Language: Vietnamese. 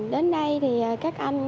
đến đây thì các anh